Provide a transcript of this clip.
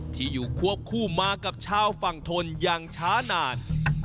ที่อยู่ควบคู่มากับชาวฝั่งทนอย่างช้านาน